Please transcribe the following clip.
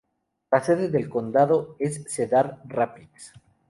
La sede del condado es Cedar Rapids.